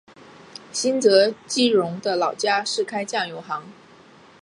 新泽基荣的老家是开酱油行。